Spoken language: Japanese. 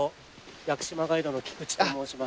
屋久島ガイドの菊池と申します。